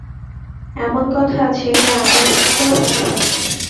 এমন কথা আছে যা আন্দাজ করতেও সাহস হয় না।